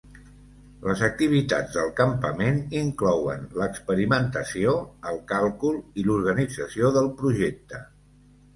Les activitats del campament inclouen l'experimentació, el càlcul i l'organització del projecte.